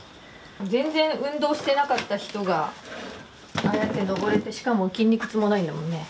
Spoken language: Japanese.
全然運動してなかった人がああやって登れてしかも筋肉痛もないんだもんね。